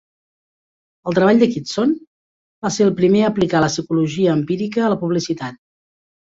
El treball de Kitson va ser el primer a aplicar la psicologia empírica a la publicitat.